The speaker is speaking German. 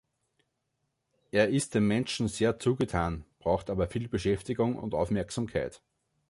Er ist den Menschen sehr zugetan, braucht aber viel Beschäftigung und Aufmerksamkeit.